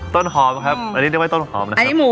ใช้ไม่ทอดแบบแป้งแบบทอดครับ